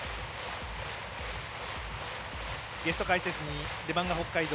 ゲスト解説にレバンガ北海道